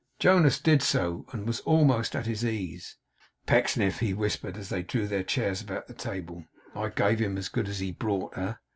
Jonas did so, and was almost at his ease. 'Pecksniff,' he whispered, as they drew their chairs about the table; 'I gave him as good as he brought, eh?